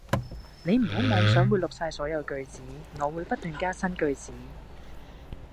你唔好妄想會錄晒所有句子，我會不斷加新句子